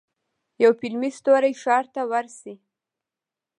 یو فلمي ستوری ښار ته ورشي.